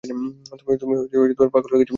তুমি পাগল হয়ে গেছো, হুইপ।